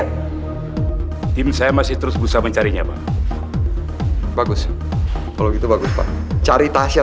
apapun caranya tim saya masih terus bisa mencarinya bagus kalau gitu bagus cari tasya